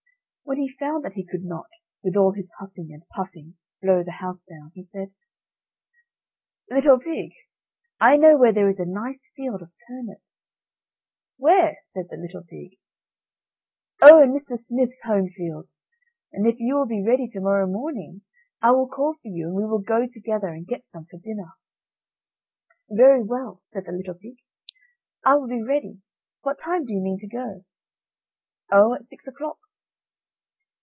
When he found that he could not, with all his huffing and puffing, blow the house down, he said: "Little pig, I know where there is a nice field of turnips." "Where?" said the little pig. "Oh, in Mr. Smith's Home field, and if you will be ready tomorrow morning I will call for you, and we will go together, and get some for dinner." "Very well," said the little pig, "I will be ready. What time do you mean to go?" "Oh, at six o'clock."